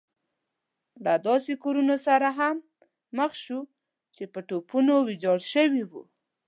له داسې کورونو سره هم مخ شوم چې په توپو ويجاړ شوي وو.